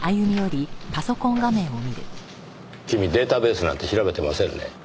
君データベースなんて調べてませんね。